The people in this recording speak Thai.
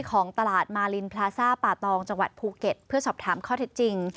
ของตลาดมารินพลาซ่าป่าตองจังหวัดภูเก็ตเพื่อสอบถามข้อเท็จจริง